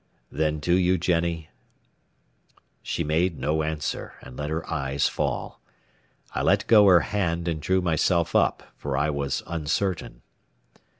"Then do you, Jennie?" She made no answer, and let her eyes fall. I let go her hand and drew myself up, for I was uncertain.